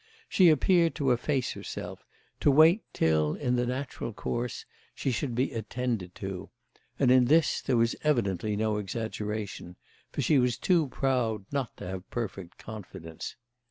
She appeared to efface herself, to wait till, in the natural course, she should be attended to; and in this there was evidently no exaggeration, for she was too proud not to have perfect confidence.